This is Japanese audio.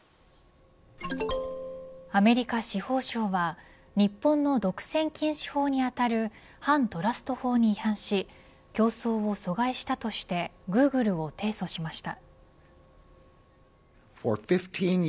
アメリカ司法省は日本の独占禁止法に当たる反トラスト法に違反し競争を阻害したとしてグーグルを提訴しました。